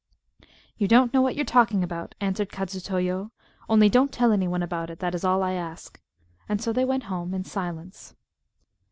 "You don't know what you're talking about," answered Kadzutoyo: "only don't tell any one about it, that is all I ask;" and so they went home in silence.